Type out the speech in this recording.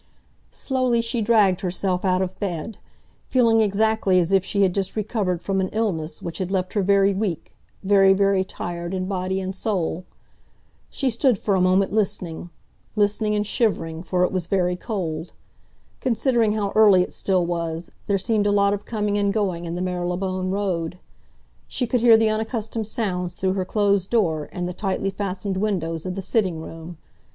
Slowly she dragged herself out of bed, feeling exactly as if she had just recovered from an illness which had left her very weak, very, very tired in body and soul. She stood for a moment listening—listening, and shivering, for it was very cold. Considering how early it still was, there seemed a lot of coming and going in the Marylebone Road. She could hear the unaccustomed sounds through her closed door and the tightly fastened windows of the sitting room.